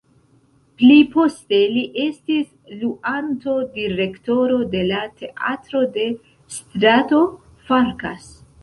Pli poste li estis luanto-direktoro de la Teatro de strato Farkas.